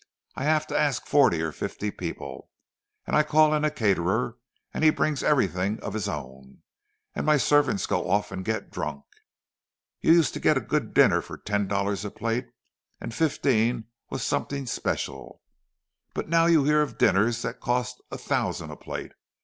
I have to ask forty or fifty people, and I call in a caterer, and he brings everything of his own, and my servants go off and get drunk. You used to get a good dinner for ten dollars a plate, and fifteen was something special; but now you hear of dinners that cost a thousand a plate!